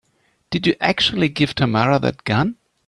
Did you actually give Tamara that gun?